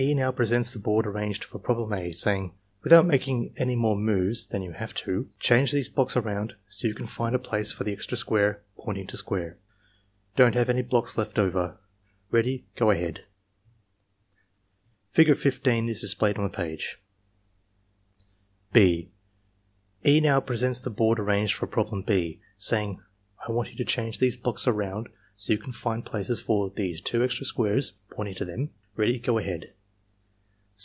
now presents the board arranged for problem A, saying: "Without making any more moves than you have to, change these blocks around so you can find a place for the extra square (pointing to square). Don't Aoue any blocks left over. (6) E. now presents the board arranged for problem B, say EXAMINER'S GUIDE 109 ing: "/ tuant you to change these blocks around so you can find places for these two extra squares (pointing to them). Ready — go ahead.